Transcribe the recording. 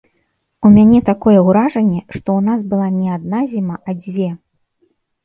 У мяне такое ўражанне, што ў нас была не адна зіма, а дзве!